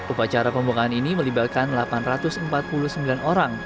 upacara pembukaan ini melibatkan delapan ratus empat puluh sembilan orang